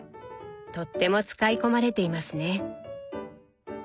とっても使い込まれていますね。